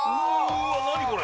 何これ。